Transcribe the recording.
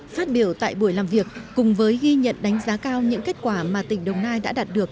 phát biểu tại buổi làm việc cùng với ghi nhận đánh giá cao những kết quả mà tỉnh đồng nai đã đạt được